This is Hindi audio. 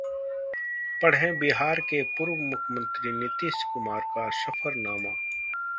पढ़ें बिहार के पूर्व मुख्यमंत्री नीतीश कुमार का सफरनामा